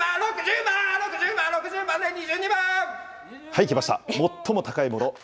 はい、きました、最も高いもの